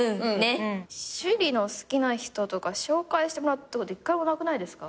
趣里の好きな人とか紹介してもらったこと１回もなくないですか？